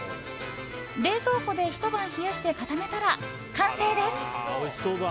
冷蔵庫でひと晩冷やして固めたら完成です！